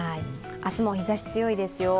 明日も日ざしが強いですよ。